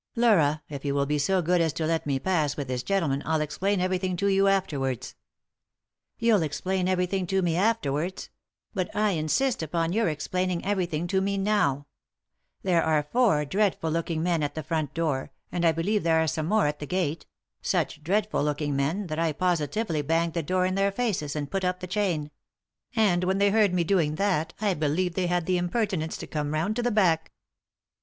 " Laura, if you will be so good as to let me pass, with this gentleman, I'll explain everything to you afterwards." ." You'll explain everything to me afterwards 1 Bat I insist upon your explaining everything to me now I There are four dreadful looking men at the front door, and I believe there are some more at the gate; such dreadful looking men that I positively banged the door in. their faces and put up the chain ; and when they heard me doing that I believe they had the impertinence to come round to the back."